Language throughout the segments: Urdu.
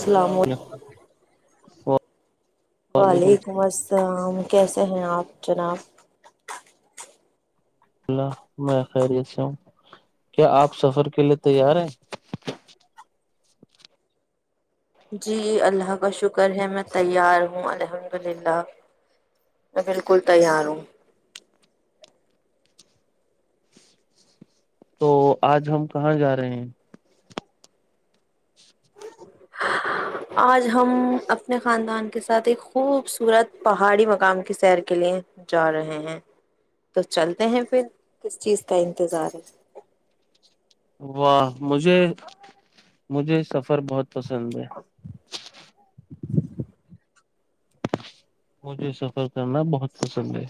السلام علیکم [unintelligible] ا [unintelligible] وعلیکم السلام کیسے ہیں آپ جناب اللہ میں خیریت سے ہوں کیا آپ سفر کےلے تیار ہیں جی اللہ کا شکر ہے میں تیار ہوں الحمد للہ میں بالکل تیار ہوں تو آج ہم کہاں جا رہے ہیں آج ہم اپنے خاندان کے ساتھ ایک خوبصورت پہاڑ پہاڑی مقام کی سیر کے لیے جا رہے ہیں تو چلتے ہیں پھر کس چیز کا انتظار ہے واہ مجھے مجھے سفر بہت پسند ہے [inaudible] مجھے سفر کرنا بہت پسند ہے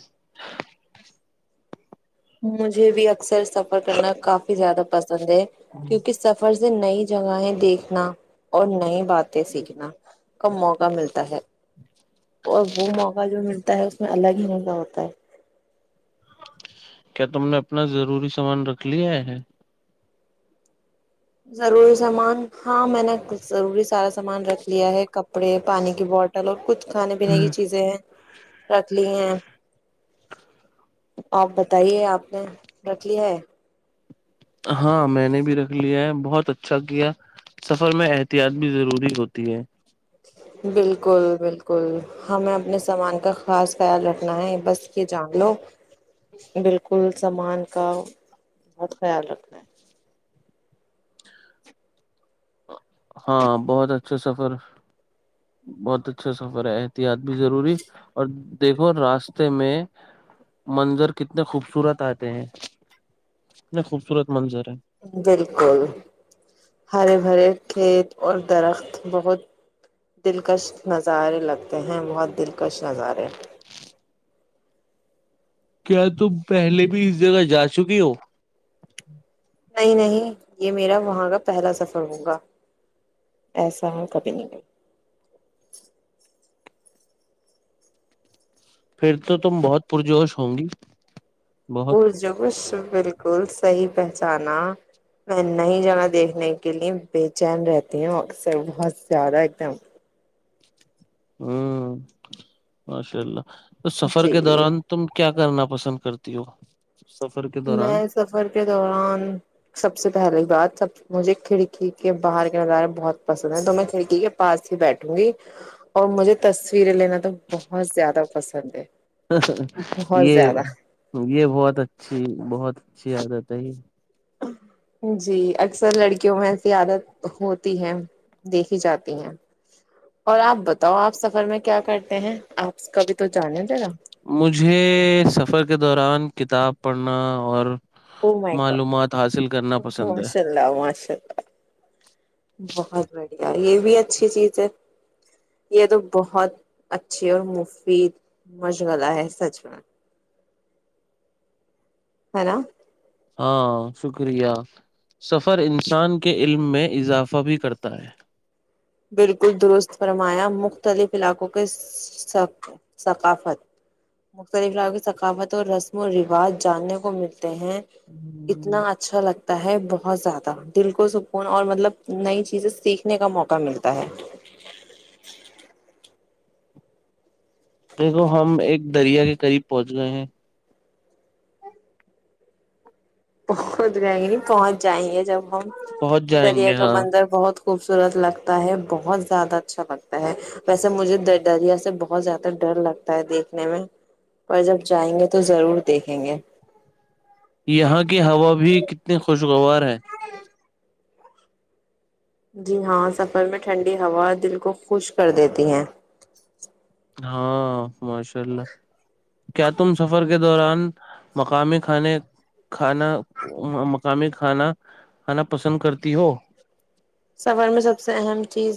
مجھے بھی اکثر سفر کرنا کافی زیادہ پسند ہے کیونکہ سفر سے نئی جگہیں دیکھنا اور نئی باتیں سیکھنا کا موقع ملتا ہے اور وہ موقع جو ملتا ہوتا ہے اس میں الگ ہی مزہ ہوتا ہے کیا تم نے اپنا ضروری سامان رکھ لیا ہے ضروری سامان ہاں میں نے ضروری سارا سامان سامان رکھ لیا ہے کپڑے پانی کی بوٹل اور کچھ کھانے پینے کی چیزیں ہیں رکھ لی ہیں آپ بتائیے آپ نے رکھ ل ہے ہاں میں نے بھی رکھ لیا ہے بہت اچھا کیا سفر میں احتیاط بھی ضروری ہوتی ہے بالکل بالکل ہمیں اپنے سامان کا خاص خیال رکھنا ہے بس یہ جان لو بالکل سامان کا بہت خیال رکھنا ہے ہاں بہت اچھا سفر بہت اچھا سفر ہے احتیاط بھی ضروری اور دیکھو راستے میں منظر کتنے خوبصورت آتے ہیں کتنے خوبصورت منظر ہے بالکل ہرے بھرے کھیت اور درخت بہت دلکش نظارے لگتے ہیں بہت دلکش نظارے کیا تم پہلے بھی اس جگہ جا چکی ہو نہیں نہیں یہ میرا وہاں کا پہلا سفر ہوگا ایسا ہم کبھی نہیں گئی پھر تو تم بہت پرجوش ہ گی بہت بج کچھ بالکل صحیح پہچانا میں نہیں جانا دیکھنے کے لیے بے چین رہتی ہوں اکثر بہت زیادہ ایک دم ہوں ماشاء اللہ تو سفر کے جی دوران تم کیا کرنا پسند کرتی ہو سفر کے دوران میں سفر کے دوران سب سے پہلی بات سب مجھے کھڑکی کے باہر کے نظارے بہت پسند ہیں تو میں کھڑکی کے پاس ہی بیٹھوں گی اور مجھے تصویریں لینا تو بہت زیادہ پسند ہے بہت یہ زیادہ یہ بہت اچھی بہت اچھی یاد ت ہے جی اکثر لڑکیوں میں عادت ہوتی ہے دیکھی جاتی ہیں اور آپ بتاؤ آپ سفر میں کیا کرتے ہیں آپ کبھی تو جانیں مجھے سفر کے دوران کتاب پڑھنا اور ا معلومات حاصل کرنا پسند ہے ماشاء اللہ ماشاء اللہ بہت بڑھیا یہ بھی اچھی چیز ہے یہ تو بہت اچھی اور مفید مشغلہ ہے سچ میں ہ نا ہاں شکریہ سفر انسان کے علم میں اضافہ بھی کرتا ہے بالکل درست فرمایا مختلف علاقوں کے ثقافت مختلف علاقوں کی ثقافت اور رسم و رواج جاننے کو مل ہیں اتنا اچھا لگتا تا ہے بہت زیادہ دل کو سکون اور مطلب نئی چیزیں سیکھنے کا موقع ملتا تا دیکھو ہم ایک دریا کے قریب پہنچ گئے ہیں پہنچ جائیں گے نہیں پہنچ جائیں گے جب پہنچ جائیں دریا گے کا ہاں مندر بہت خوبصورت لگتا ہے بہت زیادہ اچھا لگتا ہے ویسے مجھے دریا سے بہت زیادہ ڈر لگتا ہے دیکھنے میں اور جب جائیں گے تو ضرور دیکھیں گے یہاں کی ہوا بھی بھی کتنے خوش شگوار ہے جی ہاں سفر میں ٹھنڈی ہوا دل کو خوشک کر دیتی ہیں ہاں ماشاء اللہ کیا تم سفر کے دوران مقامی کھانے کھانا مقامی کھانا کھانا پسند کرتی ہو سفر میں سب سے اہم چیز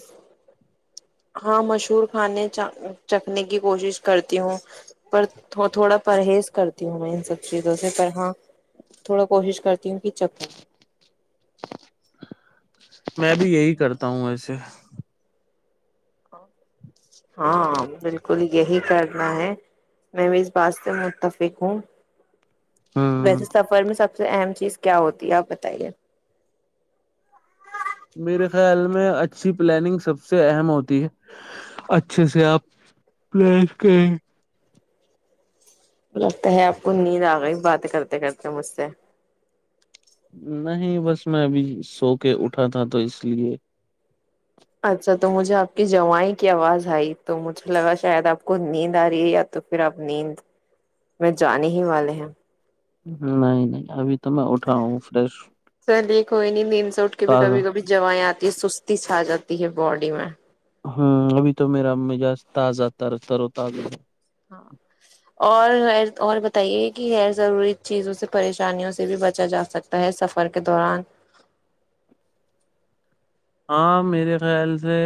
ہاں مشہور کھانے چ چکھنے کی کوشش کرتی ہوں پر تھوڑا پرہیز کرتی ہوں میں ان سب چیزوں سے پر ہاں تھوڑا کوشش کرتی ہوں کہ چکھوں میں بھی یہی کرتا ہوں ایسے [inaudible] ہاں بالکل یہی کرنا ہے میں اس بات سے متفق ہوں ہوں ویسے سفر میں سب سب سے اہم چیز کیا ہوتی ہے آپ بتائیے میرے خیال میں اچھی پلاننگ سب سے اہم ہوتی ہے اچھے سے آپ لیف کے لگتا ہے آپ کو نیند آ گئی بات کرتے کرتے مجھ سے نہیں بس میں ابھی سو کے اٹھا تھا تو اس لیے اچھا تو مجھے آپ کی جوائ کی آواز آئی تو مجھے لگا شاید آپ کو نیند آ رہی ہے یا تو پھر آپ نیند میں جانے ہی والے ہیں نہیں نہیں ابھی تو میں اٹھا ہوں فریش چلیے کوئی نہیں نیند سے اٹھ کے بھی تازہ کبھی کبھی جیں آتی یہ سستی سی اجاتی ہے باڈی میں ہاں ابھی تو میرا مزاج تازہ تر ترو تازہ ہاں اور اور بتائیے کہ غیر ضروری چیزوں سے پریشانیوں سے بھی بچا جا سکتا ہے سفر کے دوران ہاں میرے خیال سے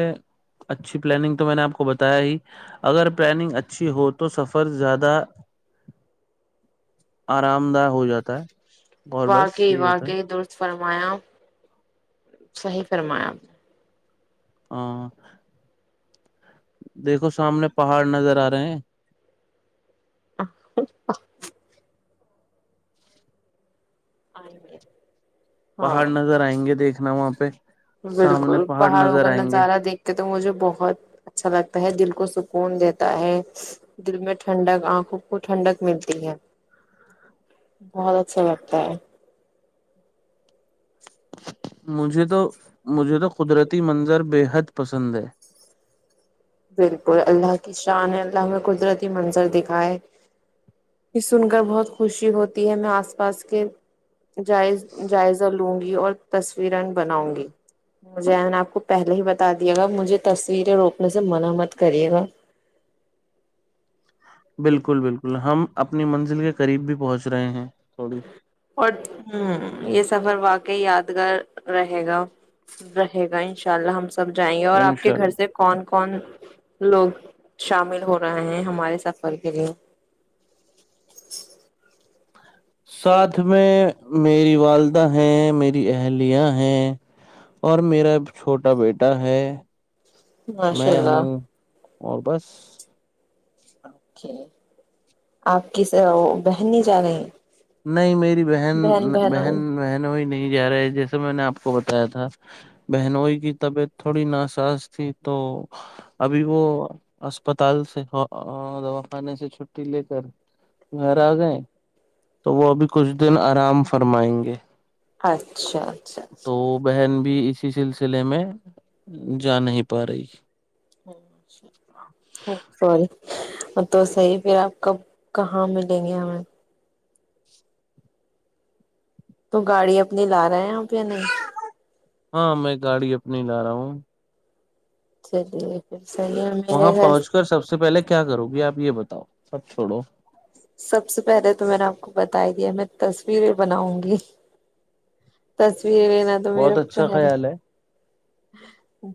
اچھی پلاننگ تو میں نے آپ کو بتای اگر پلاننگ اچھی ہو تو سفر زیادہ آرام دہ ہو جاتا ہے اور بس واقعی یہی ہوتا ہے واقعی درست فرمایا صحیح فرمایا ہاں دیکھو سامنے پہاڑ نظر آ رہے ہیں آ ہ آ ہ آے گے پہاڑ نظر آئیں گے دیکھنا وہاں پہ سامنے بالکل پہاڑ پہاڑوں نظر کا آئیں گے نظارہ دیکھ کے تو مھجے بہت اچھا لگتا ہے دل کو سکون دیتا ہے دل میں ٹھنڈک آنکھوں کو ٹھنڈک ملتی ہے بہت اچھا لگتا ہے مجھے تو مجھے تو قدرتی منظر بے حد پسند ہے بالکل اللہ کی شان اللہ میں قدرتی منظر دکھائے یہ سن کر بہت خوشی ہوتی ہے میں آس پاس کے جائز جائزہ لوں گی اور تس رن بناؤں گی زیان آپ کو پہہ ہی بتا دیا گا مجھے تصویریں روکنے سے منا مت کریے گا بالکل بالکل ہم اپنی منزل کے قریب بھی پہنچ رہے ہیں تھوڑی اور ہ یہ سفر واقعی یادگار رہے گا [unintelligible] رہے گا ان شا یا اللہ ہم سب جائیں گے اور آپ کے انشاء اللہ گھر سے کون کون لوگ شامل ہو رہے ہیں ہمارے سفر کے لیے ساتھ میں میری والدہ ہیں میری اہلیاں ہیں اور میرا چھوٹا بیٹا ہے ماشاء میں اللہ ہوں اور بس آپ کے آپ کیسے ہو وہ بہن نہیں جا رہی ہیں نہیں میری بہن بہن بہنوئی نہیں جا رہے جیسے میں نے آپ کو بتایا تھا بہنوئی کی طبیعت تھوڑی ناسااز تھی تو ابھی وہ اسپتال سے دواخانے سے چھٹی لے کر گھر آ گئے تو وہ ابھی کچھ دن آرام فرمائیں گے اچھا اچھاچ تو [inaudible] بہن بھی اسی سلسلے میں جا نہیں پا رہی سوری تو صحیح پھر آپ کب کہاں ملیں گے ہمیں تو گاڑی اپنی لا رہے ہیں آپ یا نہیں ہاں میں گاڑی نہیں لا رہا ہوں سی [inaudible] وہاں پہنچ کر سب سے پہلے کیا کرو گی آپ یہ بتا سب چھوڑو بتتاائی دیا میں تصویریں بناؤ گی تصویریں لینا تو میرا بہت اچھا پہل خیال ہے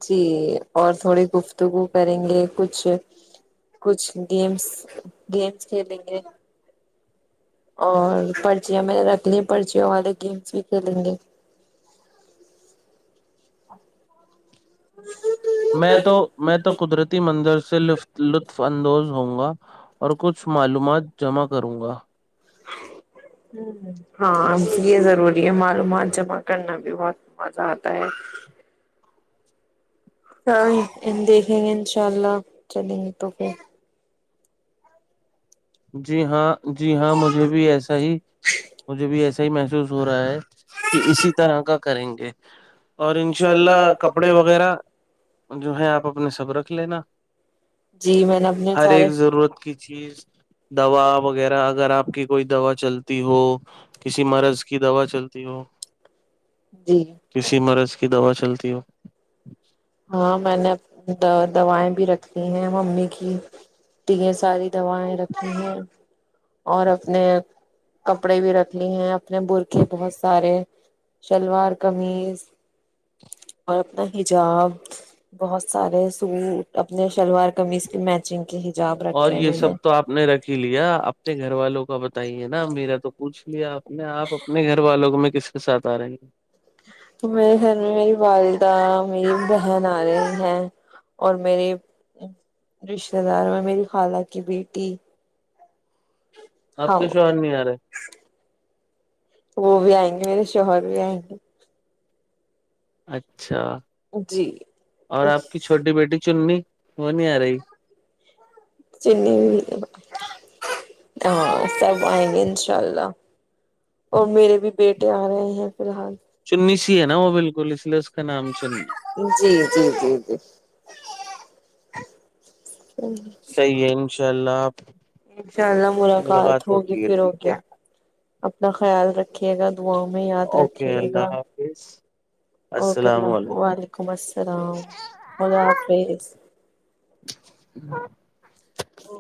جی اور تھوڑی گفتگو کریں گے کچھ کچھ گیمس گیمس کھیلیں گے اور پرچیاں میں رکھ ل پرچیوں والے گیمس بھی کھیلیں گے میں تو میں تو قدرتی منظر سے لفت لطف اندوز ہ ہوں گا اور کچھ معلومات جمع کروں گا ہ ہاں یہ ضروری ہے معلومات جمع کرنا بھی بہت مزہ آتا ہے [unintelligible] دیں گے ان شاء اللہ چلیں گے تو پھر جی ہاں جی ہاں مجھے بھی ایسا ہی مجھے بھی ایسا ہی محسوس ہو رہا ہے کہ اسی طرح کا کریں گے اور ان شاء اللہ کپڑے وغیرہ جو ہے آپ اپنے صبرک رکھ لینا جی میں نے اپنے ہر سارے ایک ضرورت کی چیز دوا وغیرہ اگر آپ کی کوئی دوا چلتی ہو کسی مرض کی دوا چلتی ہو جی کسی مرض کی دوا چلتی ہو ہاں میں نے دوائیں بھی رکھتی ہیں ممی کی یہ ساری دوائیں رکھی ہیں اور اپنے کپڑے بھی رکھ لیے ہیں اپنے بر کے بہت سارے شلوار قمیض [unintelligible] اور اپنا حجاب بہت سارے سوٹ اپنے شلوار قمیض کے میچنگ کی اور یہ سب تو آپ نے رکھی لیا اپنے گھر والوں کو بت ہی ہے نا میرا تو کچھ بھی آپ نے آ اپنے گھر والوں کو میں کس کے ساتھ آ رہیں گے میرے گھر میں میری والدہ میری بہن آ رہی ہیں اور میرے رشتتے دار میں میری خالہ کی بیٹی آپ ہاں کے شوہر نہیں آ رہے وہ بھی آئیں گے میرے شوہر بھی آیں گ اچھا جی اور آپ کی چھوٹی بیٹی چننی وہ نہیں آ رہی چ ہاں سب آئیں گے انشاء اللہ اور میرے بھی بیٹے آ رہے ہیں فی الحال چننی سی ہے نا وہ بالکل اس لیے اس کا نام چننی جی جی جی جی صحیح ہے انشاء اللہ انشاء اللہ ملاقات ہوگی ہوتی ہے پھر ہو ٹھیک ہے گیا اپنا خیال رکھیے گا داؤ میں یاد اوکے رکھیے گا اللہ حافظ اوکے السلام اللہ علیکم وعلیکم السلام اللہ حافظ